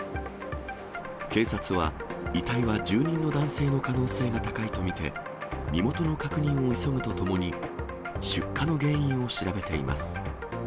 警察は、遺体は住人の男性の可能性が高いと見て、身元の確認を急ぐとともに、出火の原因を調べています。